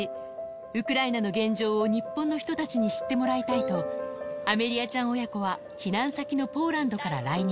ウクライナの現状を日本の人たちに知ってもらいたいと、アメリアちゃん親子は避難先のポーランドから来日。